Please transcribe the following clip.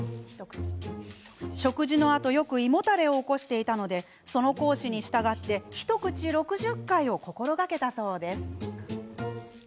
食事のあとよく胃もたれを起こしていたのでその講師に従って一口６０回を心がけたそうです。